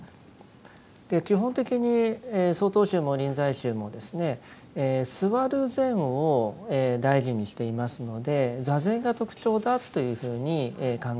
基本的に曹洞宗も臨済宗もですね坐る禅を大事にしていますので坐禅が特徴だというふうに考えられます。